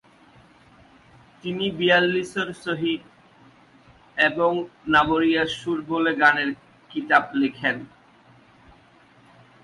তিনি "বিয়াল্লিছর ছহীদ" এবং "নাবরীয়ার সুর" বলে গানের কিতাপ লেখেন।